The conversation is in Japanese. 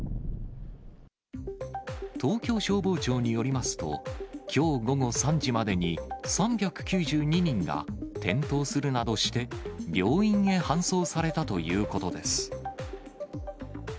東京消防庁によりますと、きょう午後３時までに、３９２人が転倒するなどして、病院へ搬送されたということです。